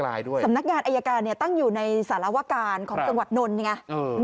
เพราะว่านักงานอายการเนี่ยตั้งอยู่ในสารวการของจังหวัดนลเนี่ย